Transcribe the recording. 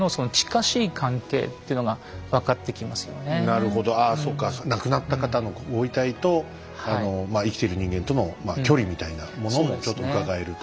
なるほどああそうか亡くなった方のご遺体と生きてる人間との距離みたいなものもちょっとうかがえると。